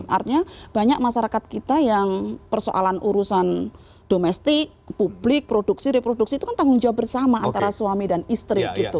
artinya banyak masyarakat kita yang persoalan urusan domestik publik produksi reproduksi itu kan tanggung jawab bersama antara suami dan istri gitu